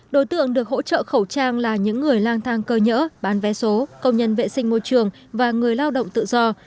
đối tượng được hỗ trợ khẩu trang là những người lang thang cơ nhỡ bán vé số công nhân vệ sinh môi trường và người lao động tự do